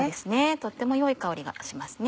とっても良い香りがしますね。